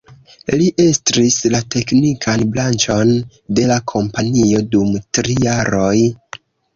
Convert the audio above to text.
Li estris la teknikan branĉon de la kompanio dum tri jaroj.